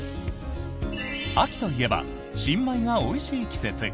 秋といえば新米がおいしい季節。